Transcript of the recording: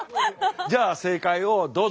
じゃあ正解をどうぞ！